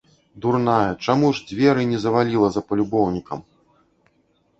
Дурная, чаму ж дзверы не заваліла за палюбоўнікам!